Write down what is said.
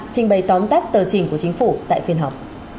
trình bày tóm tắt tờ trình của chính phủ